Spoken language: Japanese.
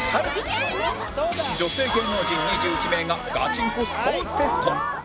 女性芸能人２１名がガチンコスポーツテスト